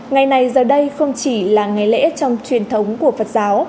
ngày này giờ đây không chỉ là ngày lễ trong truyền thống của phật giáo